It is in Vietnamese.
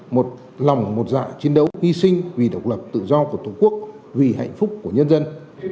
một lòng một dạ chiến đấu hy sinh vì độc lập tự do của tổ quốc vì hạnh phúc của nhân dân